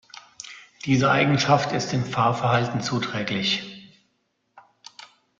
Diese Eigenschaft ist dem Fahrverhalten zuträglich.